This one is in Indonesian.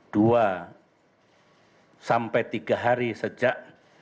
dua sampai tiga hari sejak